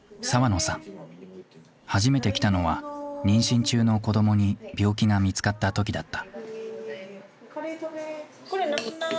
初めて来たのは妊娠中の子どもに病気が見つかった時だった。